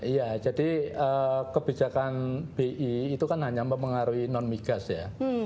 iya jadi kebijakan bi itu kan hanya mempengaruhi non migas ya